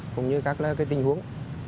cũng như các tình huống